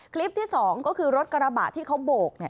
คลิปที่๒ก็คือรถกระบะที่เขาโบก